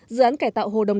dự án cải tạo hồ đồng